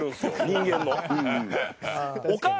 人間の。